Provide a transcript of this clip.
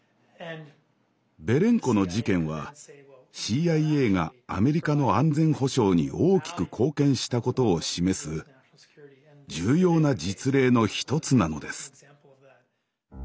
ベレンコの事件はＣＩＡがアメリカの安全保障に大きく貢献したことを示す重要な実例の一つなのです。